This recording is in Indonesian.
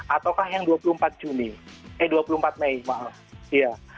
ataukah yang dua puluh empat juni eh dua puluh empat mei malah